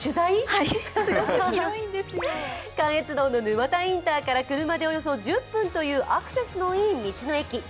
関越道の沼田インターから車でおよそ１０分というアクセスのいい道の駅。